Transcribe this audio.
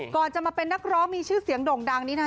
ก่อนจะมาเป็นนักร้องมีชื่อเสียงโด่งดังนี้นะคะ